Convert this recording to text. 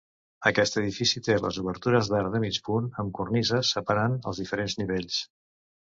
Aquest edifici té les obertures d'arc de mig punt amb cornises separant els diferents nivells.